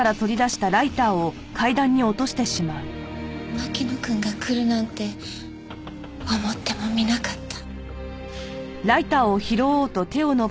牧野くんが来るなんて思ってもみなかった。